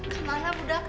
kamu mana budak